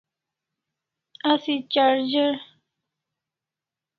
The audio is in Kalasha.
Asi charger